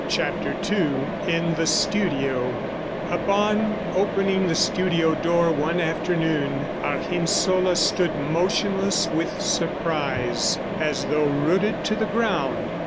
CHAPTER II IN THE STUDIO Upon opening the studio door one afternoon, Argensola stood motionless with surprise, as though rooted to the ground.